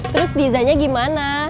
terus dizanya gimana